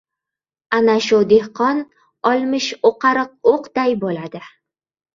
Ana shu dehqon olmish o‘qariq o‘qday bo‘ladi.